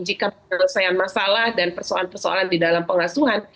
jika penyelesaian masalah dan persoalan persoalan di dalam pengasuhan